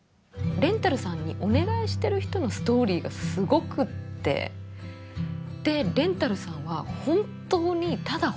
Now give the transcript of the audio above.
レンタルさんにお願いしてる人のストーリーがすごくってでレンタルさんは本当にただ本当にいるだけなので。